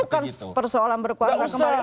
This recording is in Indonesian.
ini bukan persoalan berkuasa kembali